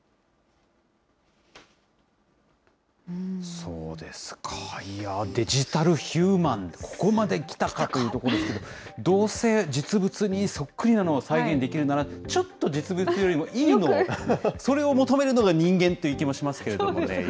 そうですか、デジタルヒューマン、ここまできたかというところですけど、どうせ実物にそっくりなのを再現できるなら、ちょっと実物よりもいいのを、それを求めるのが人間という気もしますけれどもね。